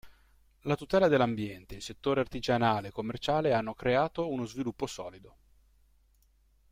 La tutela dell'ambiente, il settore artigianale e commerciale hanno creato uno sviluppo solido.